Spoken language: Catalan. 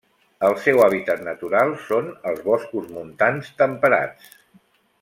El seu hàbitat natural són els boscos montans temperats.